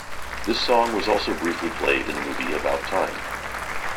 This song was also briefly played in the movie "About Time".